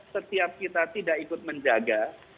setiap kita tidak ikut menjaga